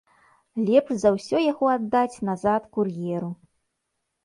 Лепш за ўсё яго аддаць назад кур'еру.